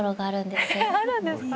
あるんですか？